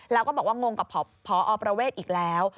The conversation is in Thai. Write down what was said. แล้วก็บอกว่างงกับพอประเวทอีกแล้ว